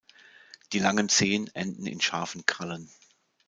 Die langen Zehen enden in scharfen Krallen.